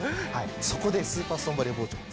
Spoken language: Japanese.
そこでスーパーストーンバリア包丁です。